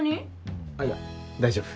あっいや大丈夫。